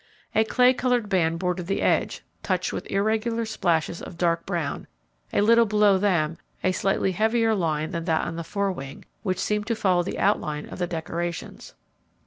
A clay coloured band bordered the edge, touched with irregular splashes of dark brown, a little below them a slightly heavier line than that on the fore wing, which seemed to follow the outline of the decorations.